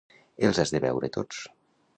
Els has de veure tots.